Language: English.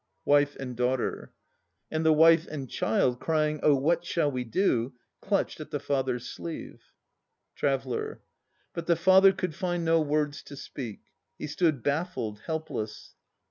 WIFE and DAUGHTER. And the wife and child, crying "Oh what shall we do?" clutched at the father's sleeve. TRAVELLER. But the father could find no words to speak. He stood baffled, helpless.